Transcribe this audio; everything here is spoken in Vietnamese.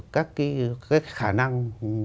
các khả năng